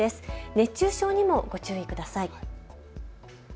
熱中症にもご注意ください。